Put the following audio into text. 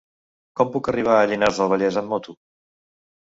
Com puc arribar a Llinars del Vallès amb moto?